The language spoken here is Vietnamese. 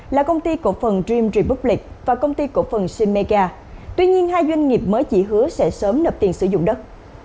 là công ty cổ phần dream republic và công ty cổ phần symmega tuy nhiên hai doanh nghiệp mới chỉ hứa sẽ sớm nập tiền sử dụng đất